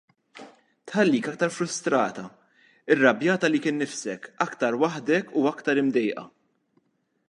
Tħallik aktar frustrata, irrabjata għalik innifsek, aktar waħdek u aktar imdejqa.